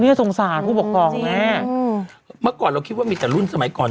โอ้เนี่ยสงสารผู้ปกครองแม่อืมจริงอืมเมื่อก่อนเราคิดว่ามีแต่รุ่นสมัยก่อน